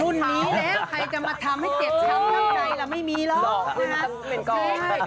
คุณนี้แหละใครจะมาทำให้เจียดเช้าข้างในแล้วไม่มีหรอกนะครับ